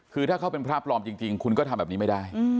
คือถ้าเขาเป็นพระปลอมจริงคุณก็ทำแบบนี้ไม่ได้